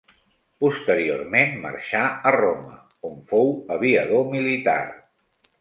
Posteriorment marxà a Roma, on fou aviador militar.